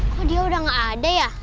kok dia udah gak ada ya